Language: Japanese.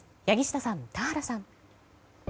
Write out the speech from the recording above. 柳下さん、田原さん。